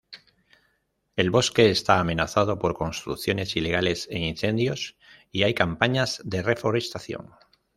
El bosque está amenazado por construcciones ilegales e incendios y hay campañas de reforestación.